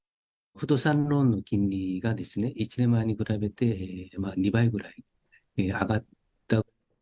不動産ローンの金利が１年前に比べて、２倍ぐらい上がった。